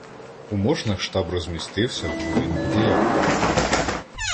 У Мошнах штаб розмістився в будинку диякона.